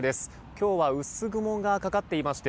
今日は薄雲がかかっていまして